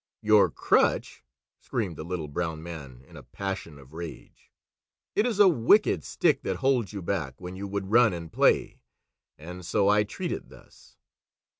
"Your crutch!" screamed the Little Brown Man in a passion of rage. "It is a wicked stick that holds you back when you would run and play, and so I treat it thus!"